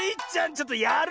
ちょっとやるな！